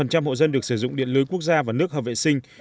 một trăm linh hộ dân được sử dụng điện lưới quốc gia và nước hợp vệ sinh